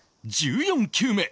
１４球目